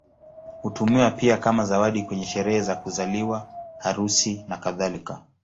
Hutumiwa pia kama zawadi kwenye sherehe za kuzaliwa, harusi, nakadhalika.